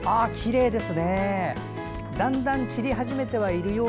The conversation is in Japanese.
きれいです。